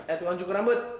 eh tuan cukarambut